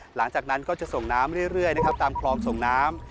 หลังจากนั้นก็จะส่งน้ำเรื่อยนะครับตามคลองส่งน้ำ